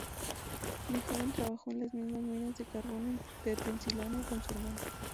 De joven trabajó en las minas de carbón de Pensilvania con su hermano.